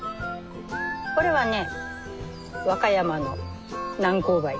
これはね和歌山の南高梅です。